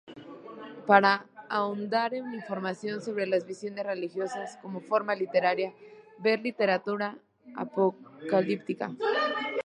Para ahondar en información sobre las visiones religiosas como forma literaria, ver literatura apocalíptica.